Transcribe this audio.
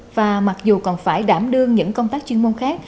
và mặc dù còn phải đảm đương những công tác chuyên môn khác